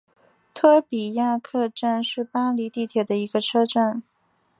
托比亚克站是巴黎地铁的一个车站。